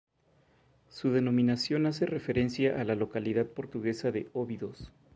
Su denominación hace referencia a la localidad portuguesa de Óbidos.